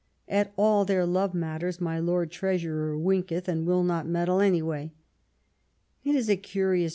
At all their love matters my Lord Treasurer winketh, and will not meddle anyway." It is a curious